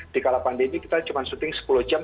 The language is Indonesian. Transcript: dikala pandemi kita cuma syuting sepuluh jam